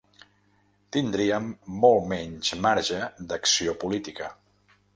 Tindríem molt menys marge d’acció política.